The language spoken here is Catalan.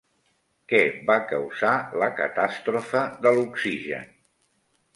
Què va causar la catàstrofe de l'oxigen?